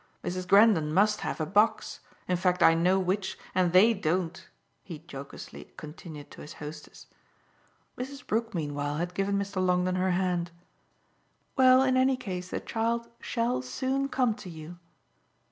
"Mrs. Grendon must have a box; in fact I know which, and THEY don't," he jocosely continued to his hostess. Mrs. Brook meanwhile had given Mr. Longdon her hand. "Well, in any case the child SHALL soon come to you.